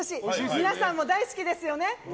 皆さんも大好きですよね。